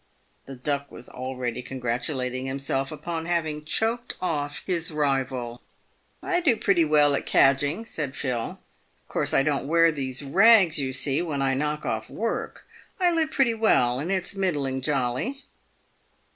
The Duck was already congratulating himself upon having choked off his rival. " I do pretty well at cadging," said Phil. " Of course I don't wear these rags you see when I knock off work. I live pretty well, and it's middling jolly."